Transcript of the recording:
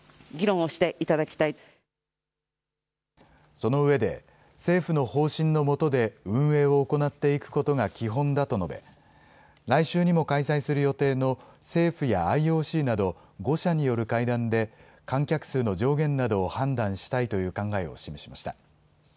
その上で、政府の方針の下で運営を行っていくことが基本だと述べ、来週にも開催する予定の、政府やＩＯＣなど５者による会談で、観客数の上限などを判断したいという考えを示しました。